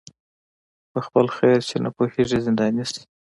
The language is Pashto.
په خپل خیر چي نه پوهیږي زنداني سي